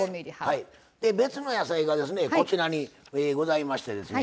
別の野菜がこちらにございましてですね。